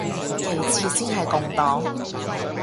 其次先係共黨